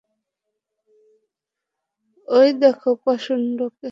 এই দেখো পান্ডাকে।